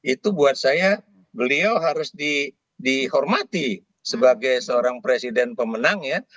itu buat saya beliau harus dihormati sebagai seorang presiden pemenang ya